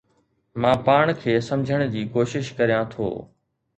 مان پاڻ کي سمجهڻ جي ڪوشش ڪريان ٿو